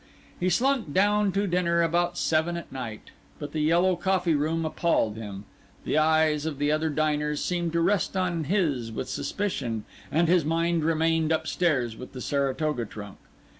He slunk down to dinner about seven at night; but the yellow coffee room appalled him, the eyes of the other diners seemed to rest on his with suspicion, and his mind remained upstairs with the Saratoga trunk.